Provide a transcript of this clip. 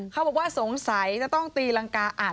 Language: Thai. เขาบอกว่าสงสัยจะต้องตีรังกาอ่าน